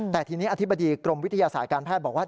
แต่ทีนี้อธิบดีกรมวิทยาศาสตร์การแพทย์บอกว่า